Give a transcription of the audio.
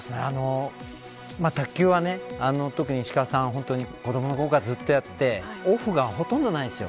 卓球は、特に石川さんは子どものころから、ずっとやってオフがほとんどないんです。